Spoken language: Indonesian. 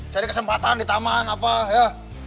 cari kesempatan di taman apa ya